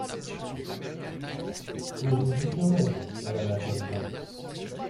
…que vous goûterez, madame la présidente.